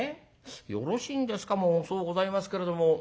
よろしいんですかもう遅うございますけれども。